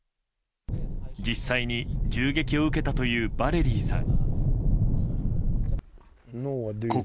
実際に銃撃を受けたというバレリィーさん。